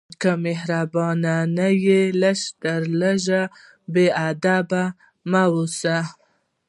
که مهربان نه یې، لږ تر لږه بېادبه مه اوسه.